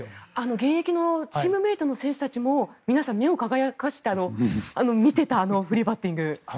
現役のチームメートの選手たちも皆さん、目を輝かせて見ていたフリーバッティング。